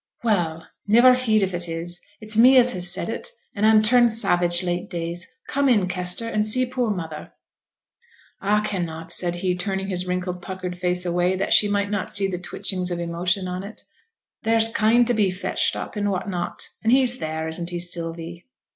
'Well! niver heed if it is it's me as said it, and I'm turned savage late days. Come in, Kester, and see poor mother.' 'A cannot,' said he, turning his wrinkled puckered face away, that she might not see the twitchings of emotion on it. 'There's kine to be fetched up, and what not, and he's theere, isn't he, Sylvie?'